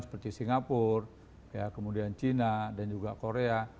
seperti singapura kemudian cina dan juga korea